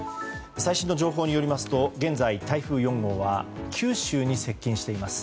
最新の情報によりますと現在、台風４号は九州に接近しています。